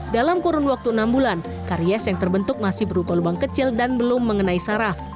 dalam kurun waktu enam bulan karies yang terbentuk masih berupa lubang kecil dan belum mengenai saraf